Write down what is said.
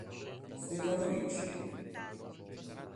Stefano Ricci